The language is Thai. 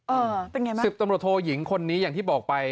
เอ่อเป็นไงมั้ยสิทธิ์ตำรวจโทยิงคนนี้อย่างที่บอกไป